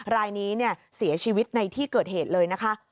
รายนี้เสียชีวิตในที่เกิดเหตุเลยนะคะ